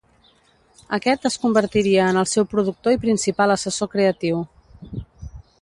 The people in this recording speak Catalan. Aquest es convertiria en el seu productor i principal assessor creatiu.